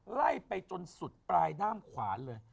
ไล่ไปจนสุดปลายด้ามขวานเลย